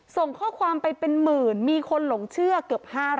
ส่งข้อความไปเป็นหมื่นมีคนหลงเชื่อเกือบ๕๐๐